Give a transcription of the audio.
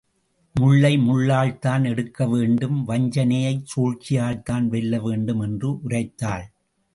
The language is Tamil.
முள்ளை முள்ளால்தான் எடுக்க வேண்டும் வஞ்சனையைச் சூழ்ச்சியால்தான் வெல்ல வேண்டும் என்று உரைத்தாள்.